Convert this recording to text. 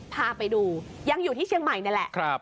พาไปดูยังอยู่ที่เชียงใหม่นี่แหละ